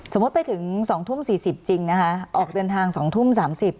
สมมุติไปถึงสองทุ่มสี่สิบจริงนะคะออกเดินทางสองทุ่มสามสิบ